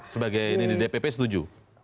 sebagai ini dpp setuju